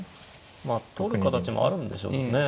まあ取る形もあるんでしょうね。